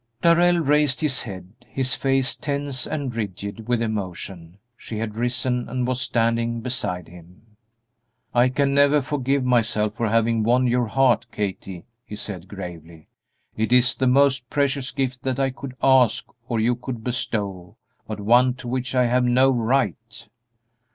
Darrell raised his head, his face tense and rigid with emotion; she had risen and was standing beside him. "I can never forgive myself for having won your heart, Kathie," he said, gravely; "It is the most precious gift that I could ask or you could bestow, but one to which I have no right."